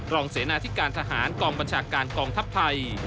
เสนาธิการทหารกองบัญชาการกองทัพไทย